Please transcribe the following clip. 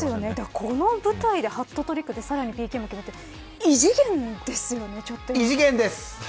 この舞台でハットトリックさらにＰＫも決めて異次元です。